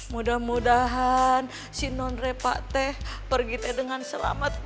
mudah mudahan si non repateh pergi teh dengan selamat